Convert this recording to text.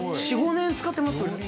４、５年使ってますね。